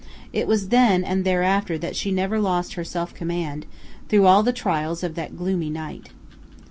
It was then and thereafter that she never lost her self command, through all the trials of that gloomy night.